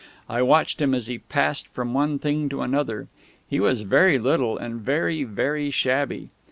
I watched him as he passed from one thing to another. He was very little, and very, very shabby.